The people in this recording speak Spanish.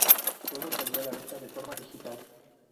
Sólo salió a la venta de forma digital.